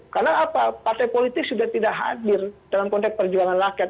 karena apa partai politik sudah tidak hadir dalam konteks perjuangan rakyat